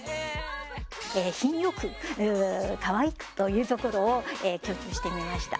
品良くかわいくというところを強調してみました。